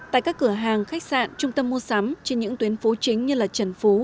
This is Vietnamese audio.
tại các cửa hàng khách sạn trung tâm mua sắm trên những tuyến phố chính như trần phú